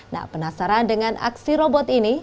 nah penasaran dengan aksi robot ini